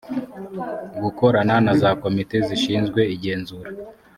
gukorana na za komite zishinzwe igenzura